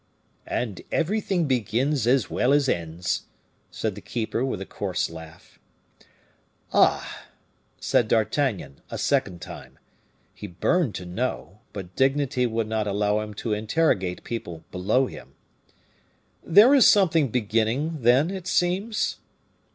"And everything begins as well as ends," said the keeper with a coarse laugh. "Ah!" said D'Artagnan, a second time, he burned to know, but dignity would not allow him to interrogate people below him, "there is something beginning, then, it seems?"